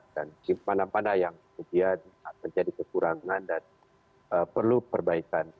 dan di mana mana yang kemudian menjadi kekurangan dan perlu perbaikan